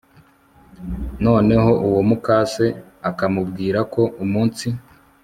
noneho uwo mukase akamubwirako umunsi